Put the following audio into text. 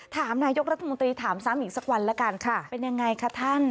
ถามนายกรัฐมนตรีถามซ้ำอีกสักวันแล้วกันเป็นยังไงคะท่าน